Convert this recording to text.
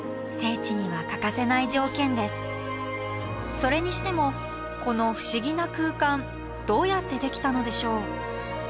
それにしてもこの不思議な空間どうやってできたのでしょう？